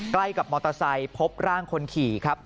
ใกล้กับมอเตอร์ไซค์พบร่างคนขี่ครับ